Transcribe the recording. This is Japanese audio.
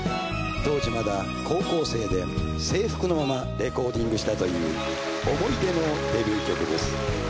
当時まだ高校生で制服のままレコーディングしたという思い出のデビュー曲です。